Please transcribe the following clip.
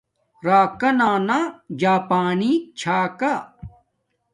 راکانا جاپانیک چھا کا